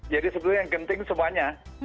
jadi sebetulnya yang genting semuanya